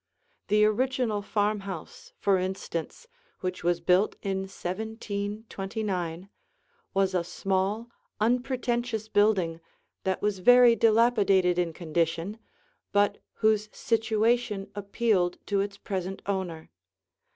The original farmhouse, for instance, which was built in 1729, was a small, unpretentious building that was very dilapidated in condition, but whose situation appealed to its present owner.